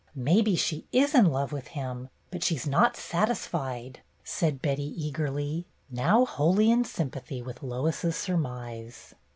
Maybe she is in love with him, but she 's not satisfied," said Betty,' eagerly, now wholly in sympathy with Lois's surmise.